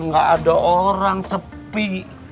nggak ada orang sepi